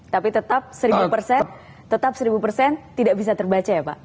tapi tetap seribu tidak bisa terbaca ya pak